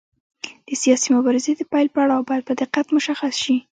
د سیاسي مبارزې د پیل پړاو باید په دقت مشخص شي.